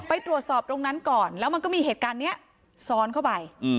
ไปตรวจสอบตรงนั้นก่อนแล้วมันก็มีเหตุการณ์นี้ซ้อนเข้าไป